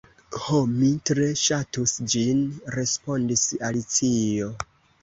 "Ho, mi tre ŝatus ĝin," respondis Alicio.